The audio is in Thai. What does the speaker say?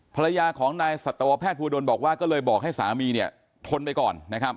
ภรรยาของนายสัตวแพทย์ภูดลบอกว่าก็เลยบอกให้สามีเนี่ยทนไปก่อนนะครับ